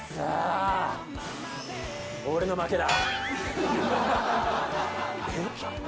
俺の負けだ。